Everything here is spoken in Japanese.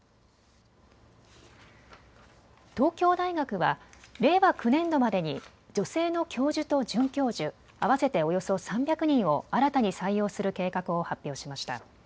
東京大学は令和９年度までに女性の教授と准教授、合わせておよそ３００人を新たに採用する計画を発表しました。